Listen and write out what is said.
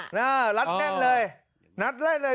หนั้นเลย